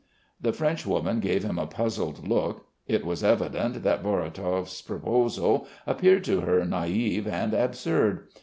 The Frenchwoman gave him a puzzled look. It was evident that Vorotov's proposal appeared to her naive and absurd.